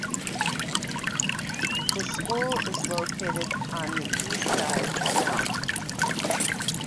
The school is located on the east side of town.